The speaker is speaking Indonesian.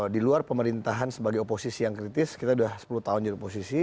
di luar pemerintahan sebagai oposisi yang kritis kita sudah sepuluh tahun jadi oposisi